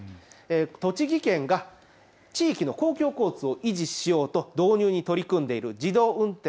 栃木県が地域の公共交通を維持しようと導入に取り組んでいる自動運転。